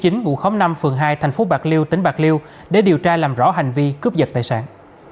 ngụ khóm năm phường hai thành phố bạc liêu tỉnh bạc liêu để điều tra làm rõ hành vi cướp giật tài sản